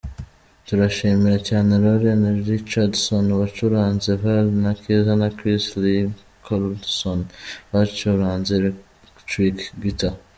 Turashimira cyane Lauren Richardson wacuranze violin na Kiza na Chris Nicholson bacyuranze electric guitar.